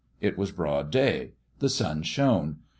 It was broad day. The sun shone.